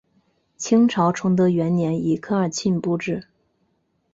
清朝崇德元年以科尔沁部置。